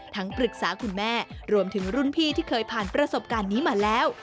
ปรึกษาคุณแม่รวมถึงรุ่นพี่ที่เคยผ่านประสบการณ์นี้มาแล้ว